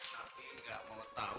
tapi gak mau tau